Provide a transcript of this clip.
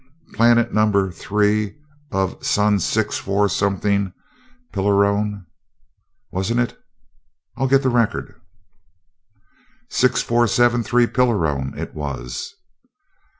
Planet number three of sun six four something Pilarone, wasn't it? I'll get the record. "Six four seven three Pilarone, it was."